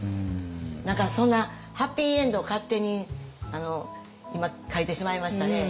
何かそんなハッピーエンドを勝手に今書いてしまいましたね。